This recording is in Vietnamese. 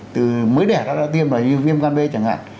từ mới đẻ ra tiêm là như viêm gan b chẳng hạn